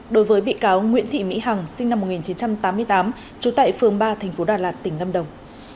đối với bị cáo nguyễn thị mỹ hằng sinh năm một nghìn chín trăm tám mươi tám trú tại phường ba thành phố đà lạt tỉnh lâm đồng